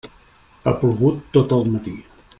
Ha plogut tot el matí.